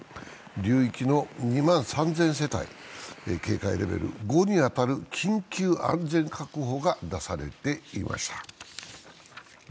流域の２万３０００世帯、警戒レベル５に当たる緊急安全確保が出されていました。